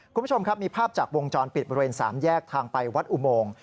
คุณผู้ชมครับมีภาพจากวงจรปิดบริเวณ๓แยกทางไปวัดอุโมง